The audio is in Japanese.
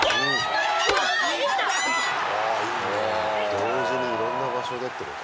同時にいろんな場所でってこと？